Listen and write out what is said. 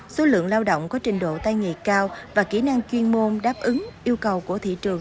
số lượng lao động có trình độ tay nghề cao và kỹ năng chuyên môn đáp ứng yêu cầu của thị trường